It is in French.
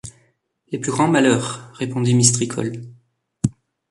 Les plus grands malheurs, répondit Mistricolle.